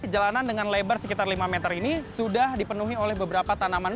jalanan dengan lebar sekitar lima meter ini sudah dipenuhi oleh beberapa tanaman